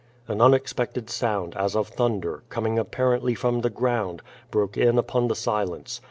An unexpected sound, as of thunder, coming apparently from the ground, broke in upon the silence.